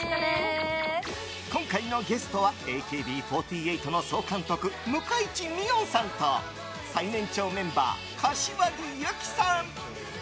今回のゲストはＡＫＢ４８の総監督向井地美音さんと最年長メンバー、柏木由紀さん。